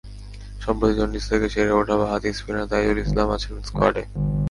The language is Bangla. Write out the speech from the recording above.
সম্প্রতি জন্ডিস থেকে সেরে ওঠা বাঁহাতি স্পিনার তাইজুল ইসলাম আছেন স্কোয়াডে।